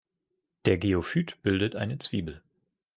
Der Geophyt bildet eine Zwiebel.